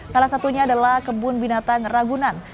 salah satunya adalah kebun binatang ragunan